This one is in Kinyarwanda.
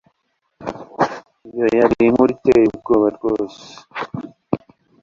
iyo yari inkuru iteye ubwoba rwose